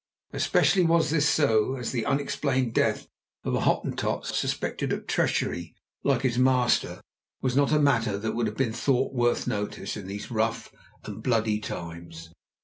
Especially was this so, as the unexplained death of a Hottentot, suspected of treachery like his master, was not a matter that would have been thought worth notice in those rough and bloody times.